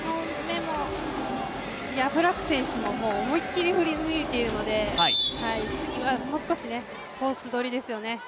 プラク選手も思いっきり振り抜いているので次はもう少しコース取りですよね。